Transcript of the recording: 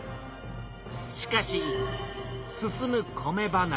しかし進む米離れ。